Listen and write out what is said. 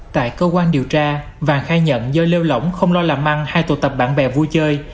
tại cơ quan điều tra vàng khai nhận do lêu lỏng không lo làm ăn hay tụ tập bạn bè vui chơi